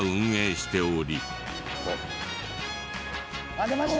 あっ出ました。